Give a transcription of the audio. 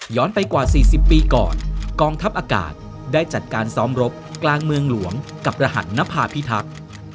ไปกว่า๔๐ปีก่อนกองทัพอากาศได้จัดการซ้อมรบกลางเมืองหลวงกับรหัสนภาพิทักษ์